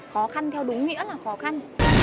khó khăn theo đúng nghĩa là khó khăn